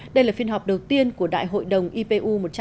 đây là phiên họp đầu tiên của đại hội đồng ipu một trăm ba mươi tám